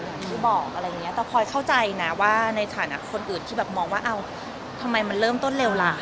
อย่างที่บอกอะไรอย่างนี้แต่พลอยเข้าใจนะว่าในฐานะคนอื่นที่แบบมองว่าเอ้าทำไมมันเริ่มต้นเร็วล่ะ